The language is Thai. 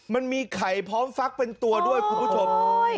มันมีไข่พร้อมฟักเป็นตัวด้วยคุณผู้ชม